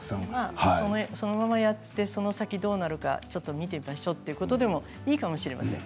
そのままやってその先どうなるか見てみましょうということでもいいかもしれません。